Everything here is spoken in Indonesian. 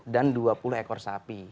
dan dua puluh ekor sapi